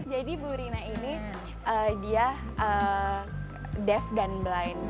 jadi bu rina ini dia deaf dan blind